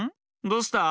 どうした？